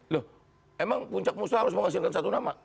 loh emang puncak musuh harus menghasilkan satu nama